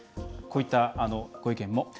こういったご意見も。